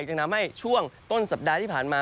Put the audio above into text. จึงทำให้ช่วงต้นสัปดาห์ที่ผ่านมา